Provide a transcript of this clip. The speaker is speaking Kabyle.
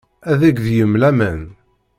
Ad yeg deg-m laman.